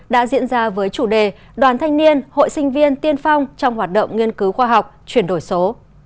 đã diễn ra với chủ đề đoàn thanh niên hội sinh viên tiên phong trong hoạt động nghiên cứu khoa học chuyển đổi số